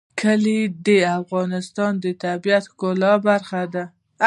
کلي د افغانستان د طبیعت د ښکلا برخه ده.